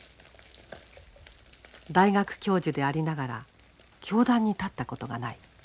大学教授でありながら教壇に立ったことがない。